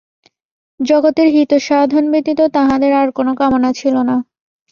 জগতের হিতসাধন ব্যতীত তাঁহাদের আর কোন কামনা ছিল না।